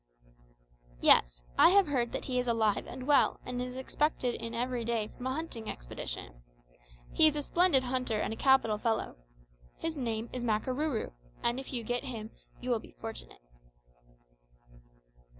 "Yes; I have heard that he is alive and well, and is expected in every day from a hunting expedition. He is a splendid hunter and a capital fellow. His name is Makarooroo, and if you get him you will be fortunate."